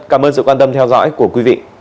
cảm ơn sự quan tâm theo dõi của quý vị